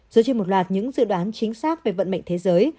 dựa trên một loạt những dự đoán chính xác về vận mệnh thế giới